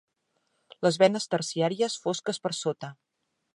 Les venes terciàries fosques per sota.